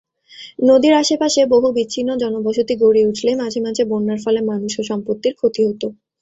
নদীর আশেপাশে বহু বিচ্ছিন্ন জনবসতি গড়ে উঠলে মাঝে মাঝে বন্যার ফলে মানুষ ও সম্পত্তির ক্ষতি হত।